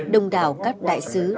đồng đảo các đại sứ